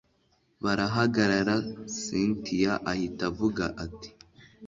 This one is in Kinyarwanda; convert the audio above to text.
barahagara cyntia ahita avuga ati